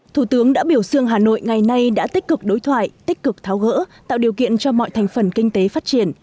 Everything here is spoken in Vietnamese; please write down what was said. thủ tướng đã biểu dương hà nội ngày nay đã tích cực đối thoại tích cực tháo gỡ tạo điều kiện cho mọi thành phần kinh tế phát triển